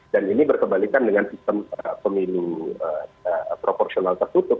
dan ini berkebalikan dengan sistem pemilu proporsional tertutup